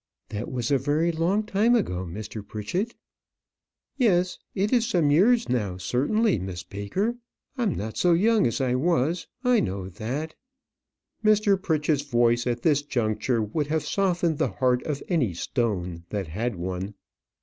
"That was a very long time ago, Mr. Pritchett." "Yes, it is some years now, certainly, Miss Baker. I'm not so young as I was; I know that." Mr. Pritchett's voice at this juncture would have softened the heart of any stone that had one.